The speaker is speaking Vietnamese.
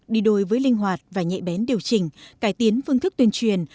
đi đôi với linh hoạt và nhẹ bén điều chỉnh cải tiến phương thức tuyên truyền